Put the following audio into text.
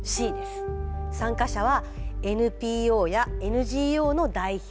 参加者はＮＰＯやＮＧＯの代表